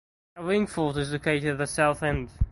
A ring fort is located at the south end.